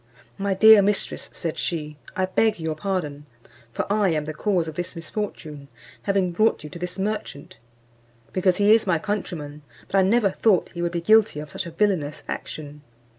"My dear mistress," said she, "I beg your pardon, for I am the cause of this misfortune, having brought you to this merchant, because he is my countryman: but I never thought he would be guilty of such a villainous action.